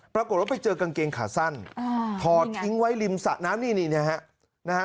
ปรากฏว่าไปเจอกางเกงขาสั้นถอดทิ้งไว้ริมสะน้ำนี่นี่นะฮะ